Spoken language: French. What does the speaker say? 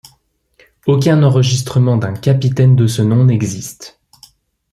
Aucun enregistrement d'un capitaine de ce nom n'existe.